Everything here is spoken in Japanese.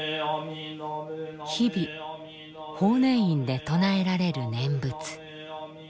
日々法然院で唱えられる念仏。